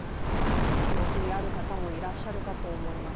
記憶にある方もいらっしゃるかと思います。